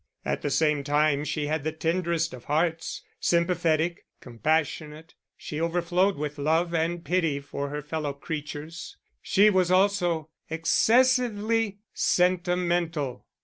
At the same time she had the tenderest of hearts, sympathetic, compassionate; she overflowed with love and pity for her fellow creatures. She was also excessively sentimental!